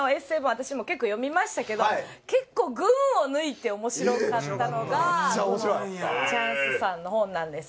私も結構読みましたけど結構群を抜いて面白かったのがチャンスさんの本なんですよ。